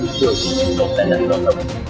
được sử dụng tai nạn giao thông